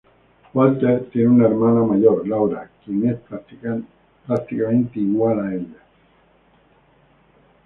Walter tiene una hermana mayor, Laura, quien es prácticamente igual a ella.